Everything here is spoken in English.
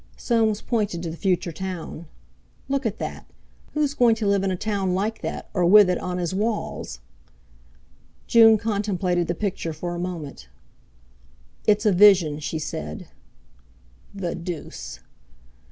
Soames pointed to the Future Town. "Look at that! Who's going to live in a town like that, or with it on his walls?" June contemplated the picture for a moment. "It's a vision," she said. "The deuce!"